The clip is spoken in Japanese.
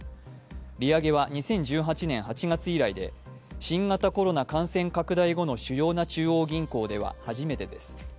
利上げは２０１８年８月以来で、新型コロナ感染拡大後の主要な中央銀行では初めてです。